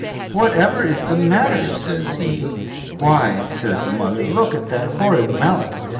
"Whatever is the matter?" says he. "Why," says the mother, "look at that horrid mallet.